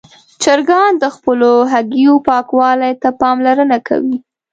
چرګان د خپلو هګیو پاکوالي ته پاملرنه کوي.